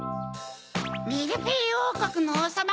ミルフィーユおうこくのおうさま